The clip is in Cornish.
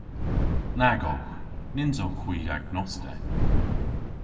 Nag owgh. Nyns owgh hwi agnostek.